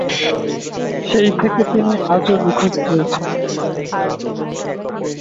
সেই থেকে তিনি আজও নিখোঁজ রয়েছেন।